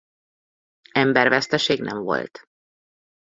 Emberveszteség nem volt.